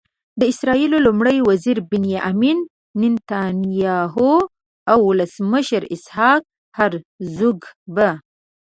د اسرائیلو لومړي وزير بنیامین نتنیاهو او ولسمشر اسحاق هرزوګ به.